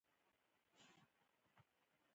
هغوی وایي چې ایثار د محبت نښه ده